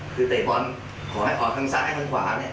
คือเตะบอลขอให้ออกข้างซ้ายข้างขวา